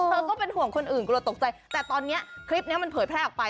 ก็เป็นห่วงคนอื่นกลัวตกใจแต่ตอนนี้คลิปนี้มันเผยแพร่ออกไป